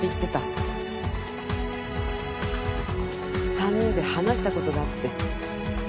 ３人で話した事があって。